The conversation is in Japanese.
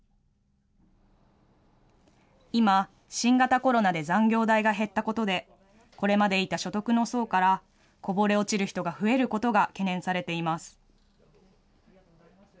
今、新型コロナで残業代が減ったことで、これまでいた所得の層からこぼれ落ちる人が増えることが懸念されています。